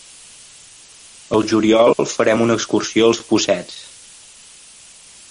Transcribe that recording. Al juliol farem una excursió al Possets.